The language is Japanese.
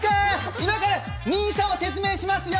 今からＮＩＳＡの説明をしますよ。